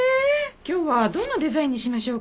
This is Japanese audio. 今日はどんなデザインにしましょうか？